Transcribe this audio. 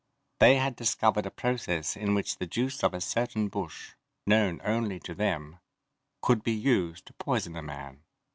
They had discovered a process in which the juice of a certain bush known only to them could be used to poison a man.